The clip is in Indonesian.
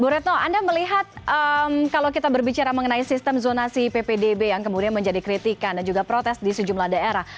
bu retno anda melihat kalau kita berbicara mengenai sistem zonasi ppdb yang kemudian menjadi kritikan dan juga protes di sejumlah daerah